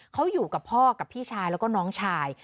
เขาอยู่กับพ่อกับพี่ชายแล้วก็น้องชาย